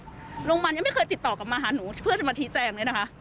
โรงพยาบาลยังไม่เคยติดต่อกลับมาหาหนูเพื่อจะมาชี้แจงเลยนะคะ